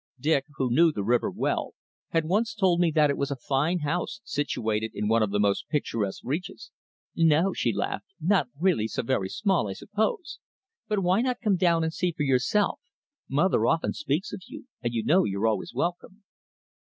Dick, who knew the river well, had once told me that it was a fine house situated in one of the most picturesque reaches. "No," she laughed, "not really so very small, I suppose. But why not come down and see for yourself? Mother often speaks of you, and you know you're always welcome."